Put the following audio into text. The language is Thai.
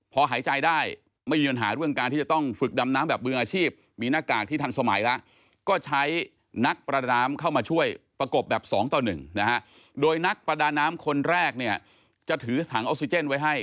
พอหายใจได้ไม่มีปัญหาเรื่องการที่จะต้องฝึกดำน้ำแบบมืออาชีพมีหน้ากากที่ทันสมัยแล้วก็ใช้นักประดาน้ำเข้ามาช่วยประกบแบบ๒ต่อ๑นะฮะโดยนักประดาน้ำคนแรกเนี่ยจะถือถังออกซิเจนไว้ให้